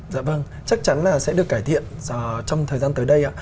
dạ vâng chắc chắn là sẽ được cải thiện trong thời gian tới đây ạ